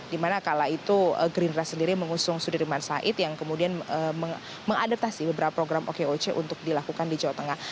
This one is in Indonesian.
dimana kala itu gerindra sendiri mengusung sudirman said yang kemudian mengadaptasi beberapa program okoc untuk dilakukan di jawa tengah